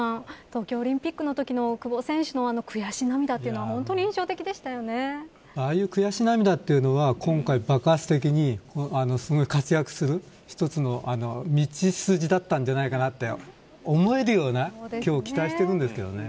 東京オリンピックのときの久保選手の悔し涙はああいう悔し涙は今回爆発的に活躍する一つの道筋だったんじゃないかなと思えるような今日、期待してるんですけどね。